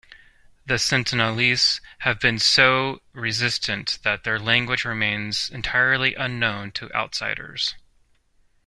The Sentinelese have been so resistant that their language remains entirely unknown to outsiders.